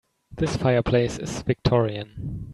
This fireplace is victorian.